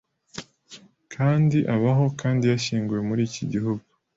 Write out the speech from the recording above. Kandi abaho kandi yashyinguwe muri iki gihugu